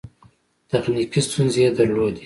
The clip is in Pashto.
تخنیکي ستونزې یې درلودې.